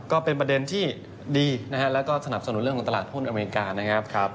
ก็เป็นประเด็นที่ดีนะฮะแล้วก็สนับสนุนเรื่องของตลาดหุ้นอเมริกานะครับ